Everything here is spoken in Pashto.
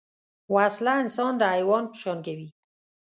وسله انسان د حیوان په شان کوي